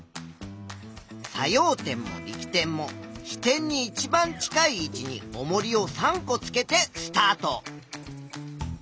作用点も力点も支点にいちばん近い位置におもりを３個つけてスタート。